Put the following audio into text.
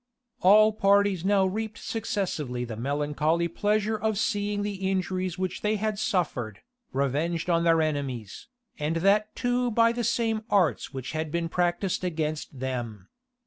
All parties now reaped successively the melancholy pleasure of seeing the injuries which they had suffered, revenged on their enemies, and that too by the same arts which had been practised against them.